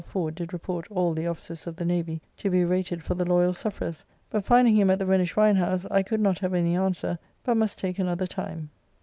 Ford did report all the officers of the navy to be rated for the Loyal Sufferers, but finding him at the Rhenish wine house I could not have any answer, but must take another time.